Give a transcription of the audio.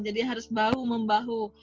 jadi harus bahu membahu